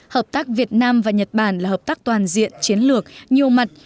hợp tác việt nam và nhật bản là hợp tác toàn diện chiến lược nhiều mặt